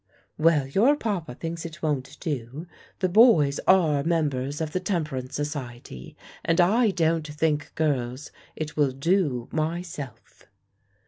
"Well, your papa thinks it won't do, the boys are members of the temperance society, and I don't think, girls, it will do myself."